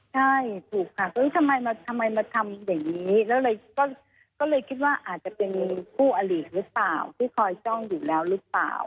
ใช่ถูกค่ะก็เลยทำไมมาทำอย่างนี้